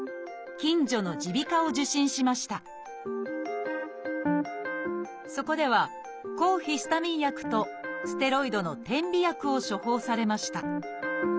近所のそこでは抗ヒスタミン薬とステロイドの点鼻薬を処方されました。